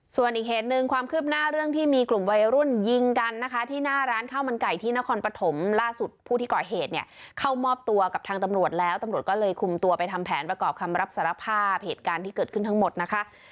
ส่วนอีกเหตุหนึ่งความคืบหน้าเรื่องที่มีกลุ่มวัยรุ่นยิงกันนะคะที่หน้าร้านข้าวมันไก่ที่นครปฐมล่าสุดผู้ที่ก่อเหตุเนี่ยเข้ามอบตัวกับทางตำรวจแล้วตำรวจก็เลยคุมตัวไปทำแผนประกอบคำรับสารภาพเหตุการณ์ที่เกิดขึ้นทั้งหมดนะคะ